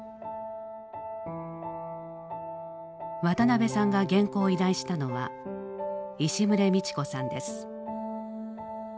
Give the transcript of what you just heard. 渡辺さんが原稿を依頼したのは石牟礼道子さんです。